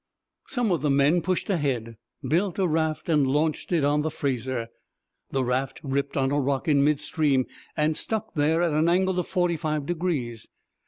Some of the men pushed ahead, built a raft, and launched it on the Fraser. The raft ripped on a rock in midstream and stuck there at an angle of forty five degrees.